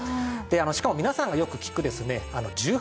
しかも皆さんがよく聞くですね１８